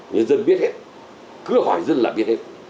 nhân dân biết hết cứ hỏi dân là biết hết